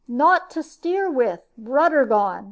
"Naught to steer with. Rudder gone!"